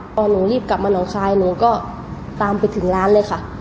พอหนูรีบกลับมาหนองคายหนูก็ตามไปถึงร้านเลยค่ะ